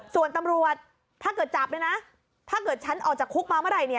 ส่วนตำรวจถ้าเกิดจับเนี่ยนะถ้าเกิดฉันออกจากคุกมาเมื่อไหร่เนี่ย